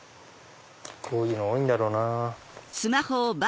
こういうの多いんだろうなぁ。